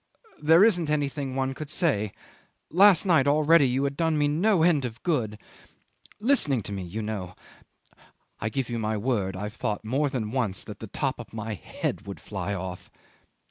"There isn't anything one could say. Last night already you had done me no end of good. Listening to me you know. I give you my word I've thought more than once the top of my head would fly off.